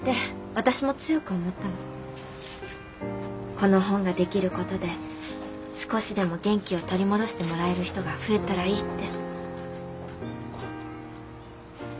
この本が出来る事で少しでも元気を取り戻してもらえる人が増えたらいいって。